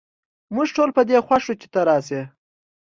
موږ ټول په دي خوښ یو چې ته راشي